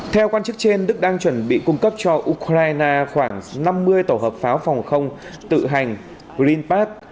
theo quan chức trên đức đang chuẩn bị cung cấp cho ukraine khoảng năm mươi tổ hợp pháo phòng không tự hành greenpad